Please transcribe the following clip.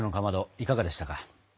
いかがでしたか？